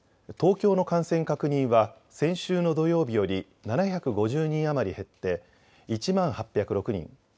東京の感染確認は先週の土曜日より７５０人余り減って１万８０６人。